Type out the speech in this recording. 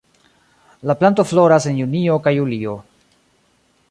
La planto floras en junio kaj julio.